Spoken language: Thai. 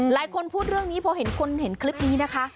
พูดเรื่องนี้พอเห็นคนเห็นคลิปนี้นะคะ